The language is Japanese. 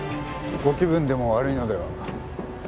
ご気分でも悪いのでは？